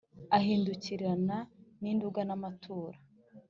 ahindukirana n’i nduga na mutara